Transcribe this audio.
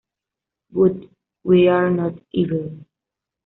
But we are not evil.